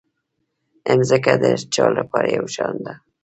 مځکه د هر چا لپاره یو شان ده.